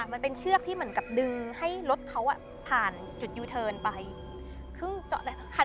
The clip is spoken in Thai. มันเป็นเชือกที่เหมือนกับดึงให้รถเขาผ่านจุดยูเทิร์นไปครึ่งเจาะเลย